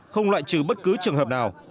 không loại trừ bất cứ trường hợp nào